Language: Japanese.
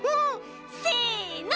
せの！